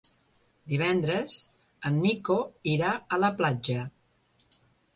Divendres en Nico irà a la platja.